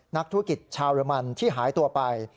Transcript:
นักธุรกิจชาวเยอรมันที่หายตัวไป